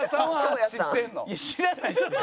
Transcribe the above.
いや知らないですよ。